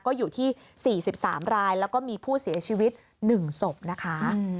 ก็อยู่ที่๔๓รายแล้วก็มีผู้เสียชีวิต๑ศพนะคะ